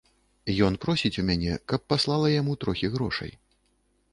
Ён просіць у мяне, каб паслала яму трохі грошай.